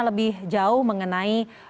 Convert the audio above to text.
lebih jauh mengenai